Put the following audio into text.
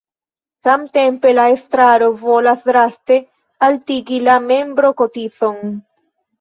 Samtempe la estraro volas draste altigi la membrokotizon.